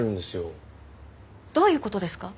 どういう事ですか？